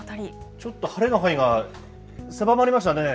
ちょっと晴れの範囲が狭まりましたね。